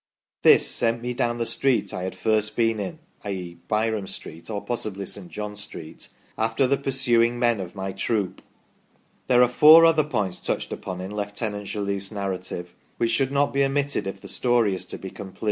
' This sent me down the street I had first been in [i.e. Byrom Street, or possibly St. John Street] after the pursuing men of my troop." There are four other points touched upon in Lieutenant Jolliffe's narrative, which should not be omitted if the story is to be complete.